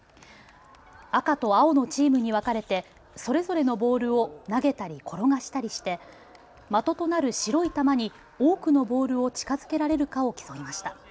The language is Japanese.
赤と青のチームに分かれてそれぞれのボールを投げたり転がしたりして的となる白い球に多くのボールを近づけられるかを競いました。